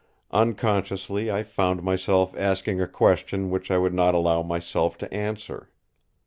Unconsciously I found myself asking a question which I would not allow myself to answer.